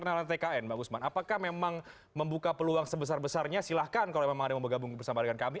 bagaimana tkn bang usman apakah memang membuka peluang sebesar besarnya silahkan kalau memang ada yang bergabung bersama dengan kami